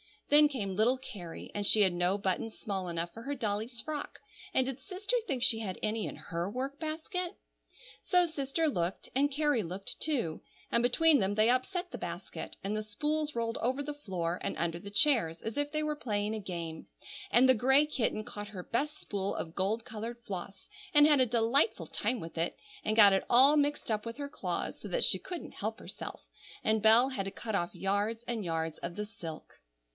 Then came little Carrie, and she had no buttons small enough for her dolly's frock, and did sister think she had any in her work basket? So sister looked, and Carrie looked, too, and between them they upset the basket, and the spools rolled over the floor and under the chairs, as if they were playing a game; and the gray kitten caught her best spool of gold colored floss, and had a delightful time with it, and got it all mixed up with her claws so that she couldn't help herself, and Bell had to cut off yards and yards of the silk.